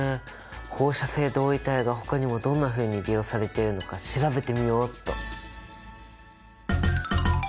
放射性同位体がほかにもどんなふうに利用されているのか調べてみようっと！